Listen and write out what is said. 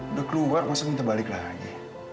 udah keluar masa minta balik lagi